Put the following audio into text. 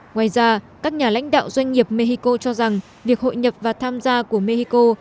ngoài ra các nhà lãnh đạo doanh nghiệp mexico cho rằng việc hội nhập và tham gia của mexico